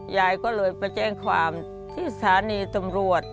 ยายก็เลยไปแจ้งความที่สถานีตำรวจ